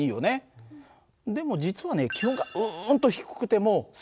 でも実はねえっ？